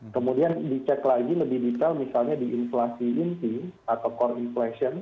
kemudian dicek lagi lebih detail misalnya di inflasi inti atau core inflation